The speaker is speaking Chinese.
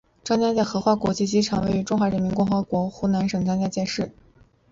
张家界荷花国际机场位于中华人民共和国湖南省张家界市。